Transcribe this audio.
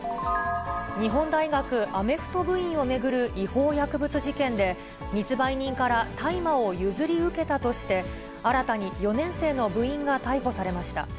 日本大学アメフト部員を巡る違法薬物事件で、密売人から大麻を譲り受けたとして、新たに４年生の部員が逮捕されました。